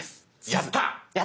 やった！